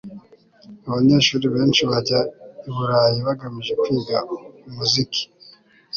abanyeshuri benshi bajya i burayi bagamije kwiga umuziki